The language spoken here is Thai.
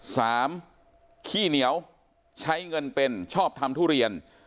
ขี้เหนียวใช้เงินเป็นชอบทำทุเรียน